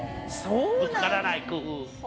ぶつからない工夫。